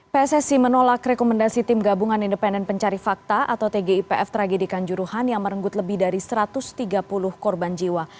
pssi menolak rekomendasi tim gabungan independen pencari fakta atau tgipf tragedikan juruhan yang merenggut lebih dari satu ratus tiga puluh korban jiwa